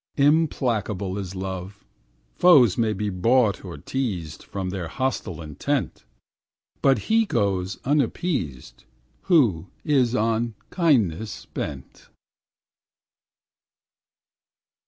Implacable is Love Foes may be bought or teased From their hostile intent, But he goes unappeased Who is on kindness bent.